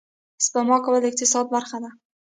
سپما کول د اقتصاد برخه ده